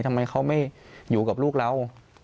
ทำไมเขาไม่อยู่กับลูกเรา